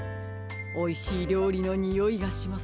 おいしいりょうりのにおいがします。